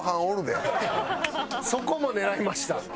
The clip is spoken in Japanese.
そこも狙いました。